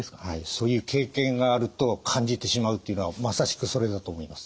そういう経験があると感じてしまうっていうのはまさしくそれだと思います。